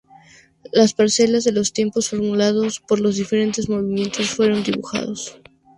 Las parcelas de los tiempos formuladas por los diferentes movimientos fueron dibujados.